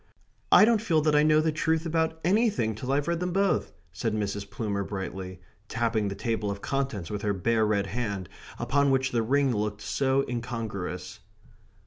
"I don't feel that I know the truth about anything till I've read them both!" said Mrs. Plumer brightly, tapping the table of contents with her bare red hand, upon which the ring looked so incongruous.